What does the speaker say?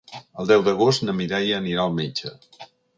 El deu d'agost na Mireia anirà al metge.